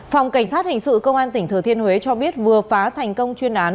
phòng cảnh sát hình sự công an tỉnh thừa thiên huế cho biết vừa phá thành công chuyên án